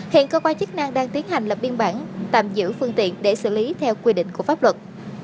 hiện cơ quan chức năng đang tiến hành lập biên bản tạm giữ phương tiện để xử lý theo quy định của pháp luật